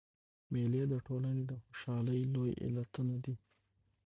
مېلې د ټولني د خوشحالۍ لوی علتونه دي.